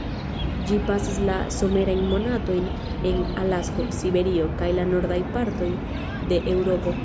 Ĝi pasas la somerajn monatojn en Alasko, Siberio, kaj la nordaj partoj de Eŭropo.